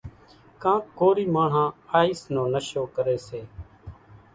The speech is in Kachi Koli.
ڪانڪ ڪورِي ماڻۿان آئيس نو نشو ڪريَ سي۔